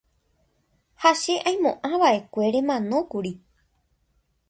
ha che aimo'ãva'ekue remanókuri.